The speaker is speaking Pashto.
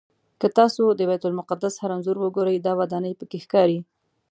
که تاسو د بیت المقدس هر انځور وګورئ دا ودانۍ پکې ښکاري.